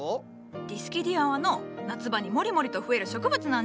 ディスキディアはの夏場にもりもりと増える植物なんじゃ！